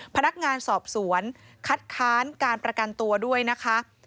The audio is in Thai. พนักงานสอบสวนคัดค้านการประกันตัวด้วยนะคะ